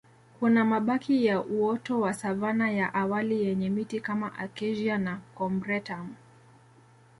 Kuna mabaki ya uoto wa savana ya awali yenye miti kama Acacia na Combretum